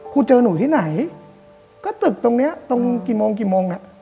ครูเจอหนูที่ไหนก็ตึกตรงนี้ตรงกี่โมง